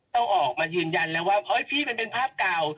ต้องออกมายืนยันแล้วว่าเฮ้ยพี่มันเป็นภาพเก่า